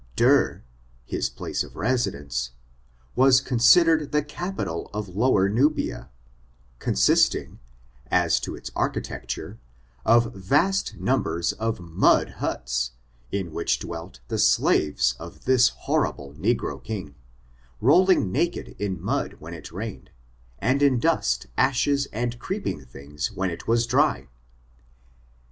Derr, his place of residence, was considered the capi tal of lower Nubia, consisting, as to its architecture, of vast numbers of mud huts, in which dwelt the slaves of this horrible negro king, rolling naked in mud when it rained, and in dust, ashes, and creeping things, when it was dry.